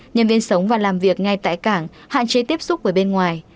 nhân viên sống và làm việc ngay tại cảng hạn chế tiếp xúc với bên ngoài